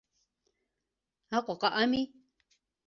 Аҟәаҟа ами?